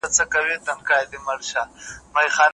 تشېدل چي یې هېر کړي زه د هغي مستۍ جام یم